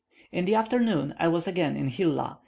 In the afternoon I was again in Hilla.